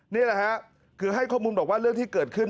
นี่แหละฮะคือให้ข้อมูลบอกว่าเรื่องที่เกิดขึ้น